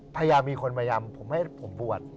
พยายามมีคนมายำผมให้ผมบวช